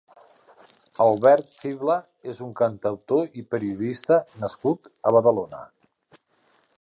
Albert Fibla és un cantautor i periodista nascut a Badalona.